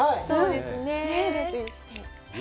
そうですね。